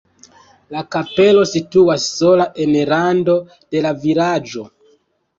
La kapelo situas sola en rando de la vilaĝo.